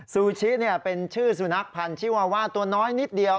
ซูชิเป็นชื่อสุนัขพันธ์ชีวาว่าตัวน้อยนิดเดียว